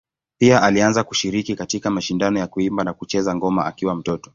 Pia alianza kushiriki katika mashindano ya kuimba na kucheza ngoma akiwa mtoto.